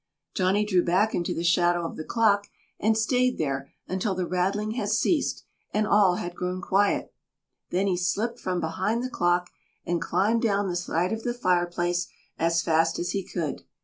Johnny drew back into the shadow of the clock, and stayed there until the rattling had ceased and all had grown quiet, then he slipped from behind the clock and climbed down the side of the fireplace as fast as he could.